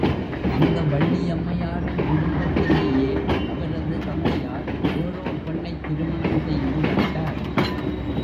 அந்த வள்ளியம்மையாரின் குடும்பத்திலேயே அவரது தந்தையார் வேறோர் பெண்ணைத் திருமணம் செய்து வைத்தார்.